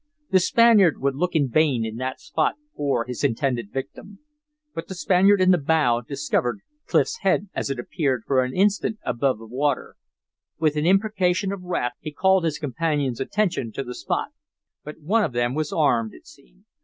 The Spaniard would look in vain in that spot for his intended victim. But the Spaniard in the bow discovered Clif's head as it appeared for an instant above the water. With an imprecation of wrath he called his companion's attention to the spot. But one of them was armed, it seemed.